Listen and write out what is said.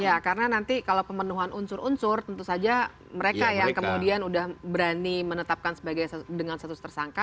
ya karena nanti kalau pemenuhan unsur unsur tentu saja mereka yang kemudian sudah berani menetapkan dengan status tersangka